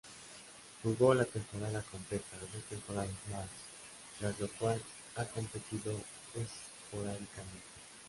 Jugó la temporada completa dos temporadas más, tras lo cual ha competido esporádicamente.